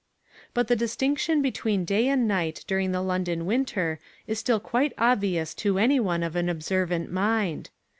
But the distinction between day and night during the London winter is still quite obvious to any one of an observant mind.